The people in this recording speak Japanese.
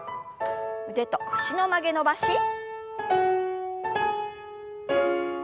腕と脚の曲げ伸ばし。